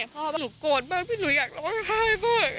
พ่อบอกหนูโกรธมากหนูอยากร้องไห้พ่อ